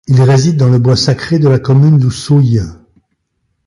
Il réside dans le bois sacré de la commune d’Oussouye.